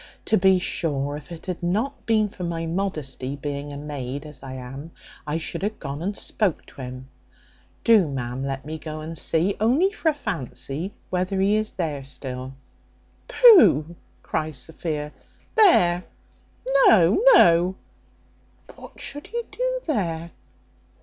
To be sure, if it had not been for my modesty, being a maid, as I am, I should have gone and spoke to him. Do, ma'am, let me go and see, only for a fancy, whether he is there still." "Pugh!" says Sophia. "There! no, no: what should he do there?